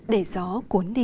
để gió cuốn đi